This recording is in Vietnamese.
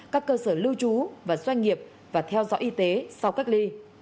các cơ sở lưu trú và doanh nghiệp và theo dõi y tế sau cách ly